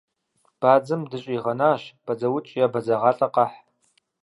Бадзэм дыщӏигъэнащ, бадзэукӏ е бадзэгъалӏэ къэхь.